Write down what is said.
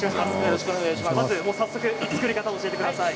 早速、作り方を教えてください。